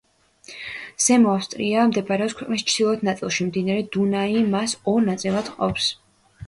ზემო ავსტრია მდებარეობს ქვეყნის ჩრდილოეთ ნაწილში, მდინარე დუნაი მას ორ ნაწილად ჰყოფს.